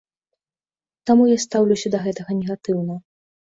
Таму я стаўлюся да гэтага негатыўна.